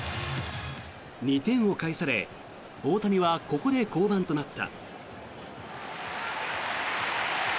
２点を返され大谷はここで降板となった。